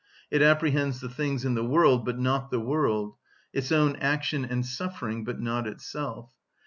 It apprehends the things in the world, but not the world; its own action and suffering, but not itself.